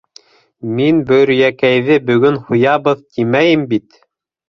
Мин Бөйрәкәйҙе бөгөн һуябыҙ тимәйем бит!